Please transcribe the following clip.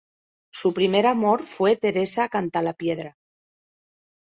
Su primer amor fue Teresa Cantalapiedra.